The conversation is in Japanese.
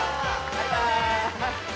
バイバーイ！